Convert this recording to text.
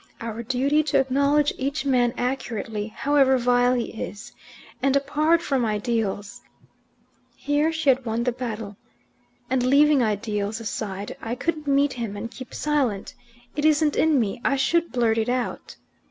Our duty to acknowledge each man accurately, however vile he is. And apart from ideals" (here she had won the battle), "and leaving ideals aside, I couldn't meet him and keep silent. It isn't in me. I should blurt it out."